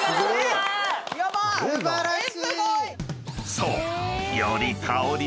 ［そう］